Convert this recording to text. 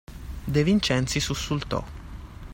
De Vincenzi sussultò.